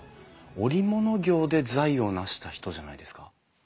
織物業で財を成した人じゃないですか？